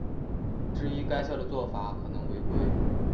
质疑该校的做法可能违规。